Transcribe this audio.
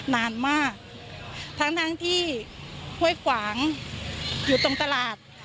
นานมากทั้งทั้งที่ห้วยขวางอยู่ตรงตลาด